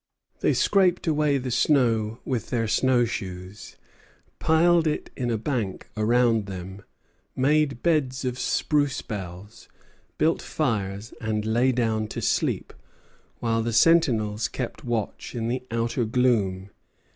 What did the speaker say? They scraped away the snow with their snow shoes, piled it in a bank around them, made beds of spruce boughs, built fires, and lay down to sleep, while the sentinels kept watch in the outer gloom.